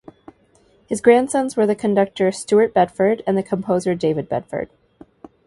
His grandsons were the conductor Steuart Bedford and the composer David Bedford.